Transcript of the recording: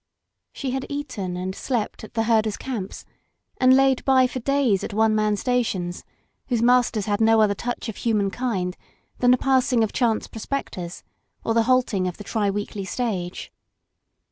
She had eaten and slept at the herder's camps, and laid by for days at one man stations whose masters had no other touch of human kind than the passing of chance prospectors, or the halting of the tri weekly stage.